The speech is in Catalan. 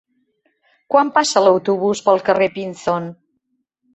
Quan passa l'autobús pel carrer Pinzón?